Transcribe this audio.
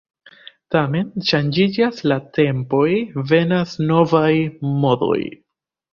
Tamen ŝanĝiĝas la tempoj, venas novaj modoj.